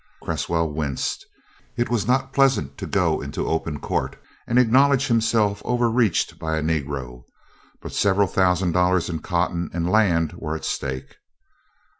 Cresswell winced. It was not pleasant to go into open court and acknowledge himself over reached by a Negro; but several thousand dollars in cotton and land were at stake.